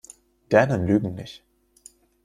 Dänen lügen nicht.